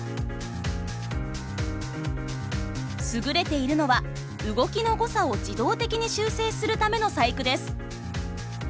優れているのは動きの誤差を自動的に修正するための細工です。